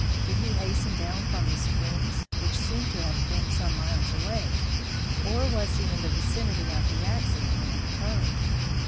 Did he hasten down from the Springs, which seem to have been some miles away, or was he in the vicinity of the accident when it occurred?"